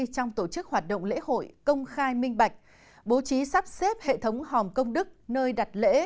trong tổ chức hoạt động lễ hội công khai minh bạch bố trí sắp xếp hệ thống hòm công đức nơi đặt lễ